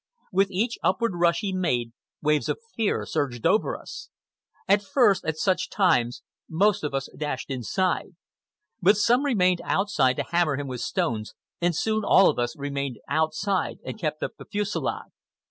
With each upward rush he made, waves of fear surged over us. At first, at such times, most of us dashed inside; but some remained outside to hammer him with stones, and soon all of us remained outside and kept up the fusillade.